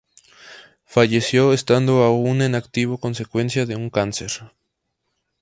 Falleció estando aún en activo consecuencia de un cáncer.